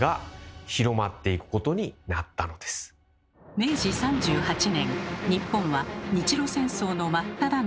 明治３８年日本は日露戦争の真っただ中。